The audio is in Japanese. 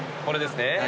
これですね。